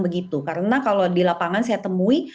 begitu karena kalau di lapangan saya temui